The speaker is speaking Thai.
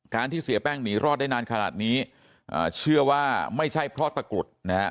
ที่เสียแป้งหนีรอดได้นานขนาดนี้เชื่อว่าไม่ใช่เพราะตะกรุดนะฮะ